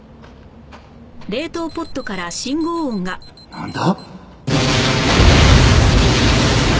なんだ？